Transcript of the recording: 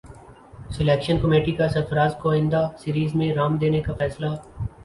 selection committee کا سرفراز کو ئندہ سیریز میں رام دینے کا فیصلہ